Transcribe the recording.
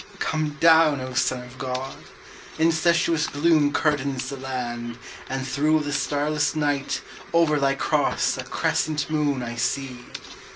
Come down, O Son of God! incestuous gloom Curtains the land, and through the starless night Over Thy Cross a Crescent moon I see!